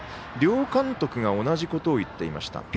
両監督が同じことを言っていました。